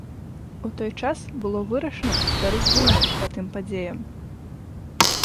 У той час было вырашана стварыць гульню па тым падзеям.